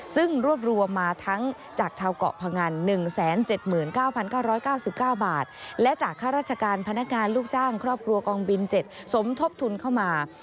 ซึ่งรวบรวมมาทั้งจากชาวเกาะพงัน๑๗๙๙๙๙บาทและจากค่าราชการพนักงานลูกจ้างครอบครัวกองบิน๗สมทบทุนเข้ามา